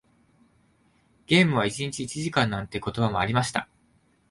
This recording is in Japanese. ゲームは一日一時間なんて言葉もありました。